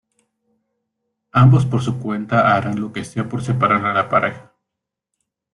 Ambos por su cuenta harán lo que sea por separar a la pareja.